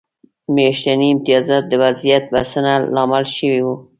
میاشتني امتیازات د وضعیت بسنه لامل شوي وو.